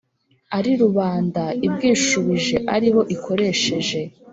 ari rubanda ibwishubije aribo ikoresheje.